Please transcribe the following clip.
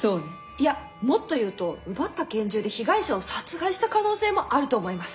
いやもっと言うと奪った拳銃で被害者を殺害した可能性もあると思います。